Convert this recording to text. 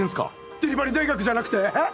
デリバリ大学じゃなくて？